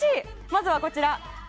まずはこちら。